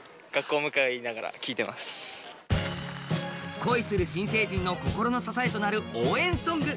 恋する新成人の心の支えとなる応援ソング。